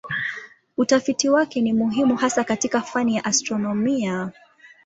Utafiti wake ni muhimu hasa katika fani ya astronomia.